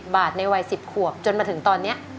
บาทในวัย๑๐ขวบจนมาถึงตอนนี้